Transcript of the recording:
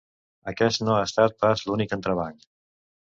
Aquest no ha estat pas l’únic entrebanc.